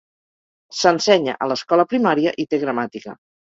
S'ensenya a l'escola primària i té gramàtica.